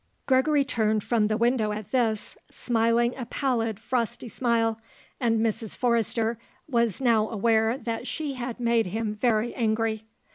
Gregory turned from the window at this, smiling a pallid, frosty smile and Mrs. Forrester was now aware that she had made him very angry.